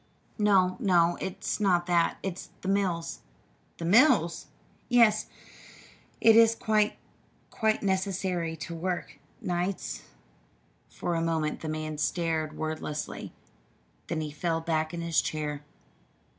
"No, no, it's not that; it's the mills." "The mills!" "Yes. Is it quite quite necessary to work nights?" For a moment the man stared wordlessly; then he fell back in his chair.